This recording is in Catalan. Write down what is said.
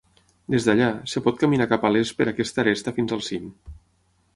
Des d'allà, es pot caminar cap a l'est per aquesta aresta fins al cim.